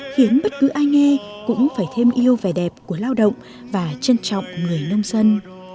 khiến bất cứ ai nghe cũng phải thêm yêu vẻ đẹp của lao động và trân trọng người nông dân